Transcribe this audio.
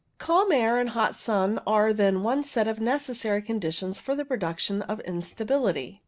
Calm air and hot sun are then one set of necessary conditions for the production of instability.